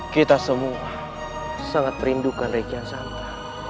kita semua sangat merindukan rai kian santa